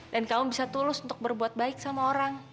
kamu bisa tulus untuk berbuat baik sama orang